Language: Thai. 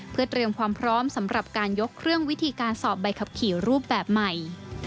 เพื่อเตรียมความพร้อมสำหรับการยกเครื่องวิธีการสอบใบขับขี่รูปแบบใหม่